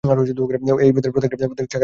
এই বেদের প্রত্যেকটি শাখার নিজস্ব নাম রয়েছে।